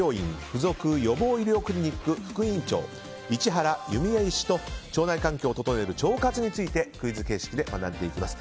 付属予防医療クリニック副院長、市原由美江医師と腸内環境を整える腸活についてクイズ形式で学んでいきます。